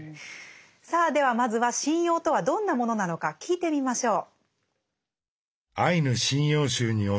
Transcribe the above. さあではまずは神謡とはどんなものなのか聞いてみましょう。